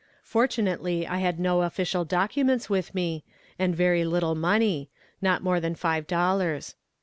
Fortunately, I had no official documents with me, and very little money not more than five dollars.